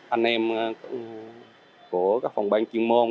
anh em của các phòng ban chuyên môn